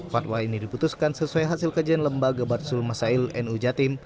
fatwa ini diputuskan sesuai hasil kajian lembaga batsul masail nu jatim